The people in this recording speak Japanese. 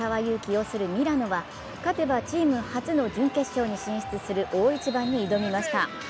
擁するミラノは勝てばチーム初の準決勝に進出する大一番に挑みました。